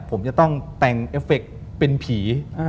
ผมจะต้องแต่งเอฟเฟคเป็นผี